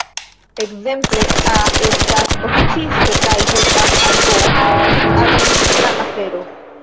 Ekzemple, A estas oficisto kaj helpas al B pri administra afero.